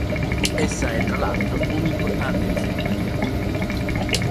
Essa è tra l'altro, un'importante riserva di carbonio.